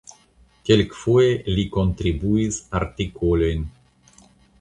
Kelkfoje li kontribuis artikolojn.